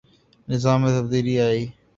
نظام میں تبدیلی آئے۔